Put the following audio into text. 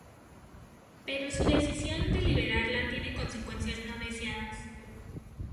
Pero su decisión de liberarla tiene consecuencias no deseadas.